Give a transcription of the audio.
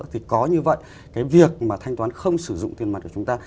thì có như vậy cái việc mà thanh toán không sử dụng tiền mặt của chúng ta